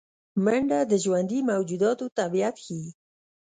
منډه د ژوندي موجوداتو طبیعت ښيي